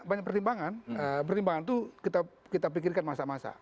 banyak pertimbangan pertimbangan itu kita pikirkan masa masa